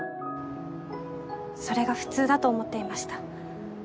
それが普通だと思っていました。